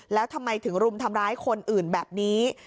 แล้วทำไมถึงรุมทำร้ายคนอื่นแบบนี้